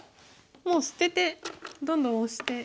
もう捨ててどんどんオシてきます。